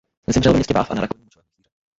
Zemřel ve městě Bath na rakovinu močového měchýře.